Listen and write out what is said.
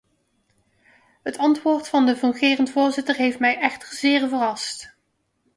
Het antwoord van de fungerend voorzitter heeft mij echter zeer verrast.